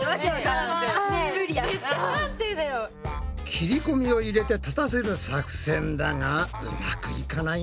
切りこみを入れて立たせる作戦だがうまくいかないな。